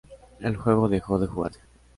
El juego dejó de jugarse.